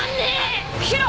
宙！